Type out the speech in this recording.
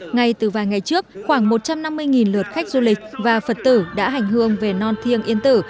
ngay từ vài ngày trước khoảng một trăm năm mươi lượt khách du lịch và phật tử đã hành hương về non thiêng yên tử